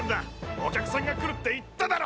お客さんが来るって言っただろ！